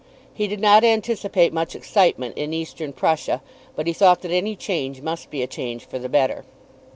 He did not anticipate much excitement in Eastern Prussia, but he thought that any change must be a change for the better.